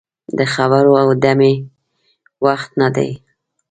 د خبرو او دمې وخت نه دی.